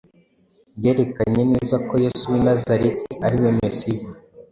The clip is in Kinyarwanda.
yerekanye neza ko Yesu w’i Nazareti ari we Mesiya;